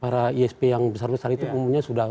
para isp yang besar besar itu umumnya sudah